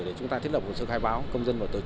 để chúng ta thiết lập hồ sơ khai báo